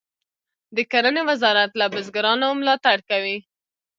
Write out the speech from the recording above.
د کرنې وزارت له بزګرانو ملاتړ کوي.